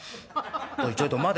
「おいちょいと待て。